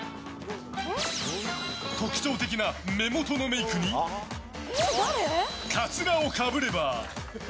特徴的な目元のメイクにカツラをかぶれば。